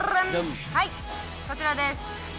はいこちらです。